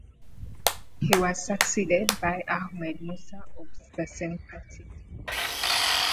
He was succeeded by Ahmed Musa of the same party.